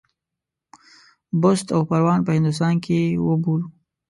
بُست او پروان په هندوستان کې وبولو.